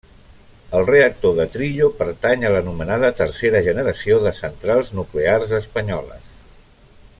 El reactor de Trillo pertany a l'anomenada tercera generació de centrals nuclears espanyoles.